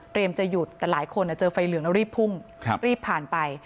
จะหยุดแต่หลายคนเจอไฟเหลืองแล้วรีบพุ่งรีบผ่านไป